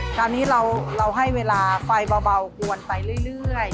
คราวนี้เราให้เวลาไฟเบากวนไปเรื่อย